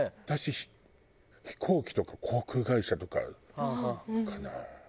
私飛行機とか航空会社とかかな。